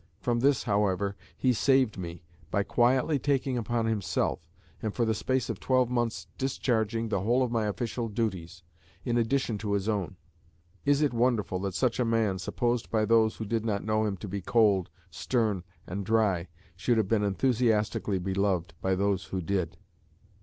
From this, however, he saved me by quietly taking upon himself, and for the space of twelve months discharging, the whole of my official duties, in addition to his own. Is it wonderful that such a man, supposed by those who did not know him to be cold, stern, and dry, should have been enthusiastically beloved by those who did?